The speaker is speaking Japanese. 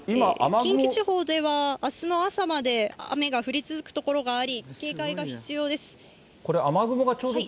近畿地方では、あすの朝まで雨が降り続く所があり、警戒が必これ、雨雲がちょうど。